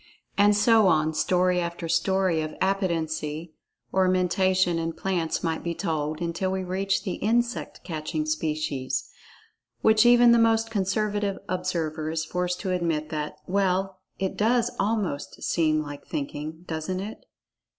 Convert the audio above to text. And so on, story after story of "Appetency" or Mentation in plants might be told, until we reach the insect catching species, when even the most conservative observer is forced to admit that: "Well, it does almost seem like thinking, doesn't it?"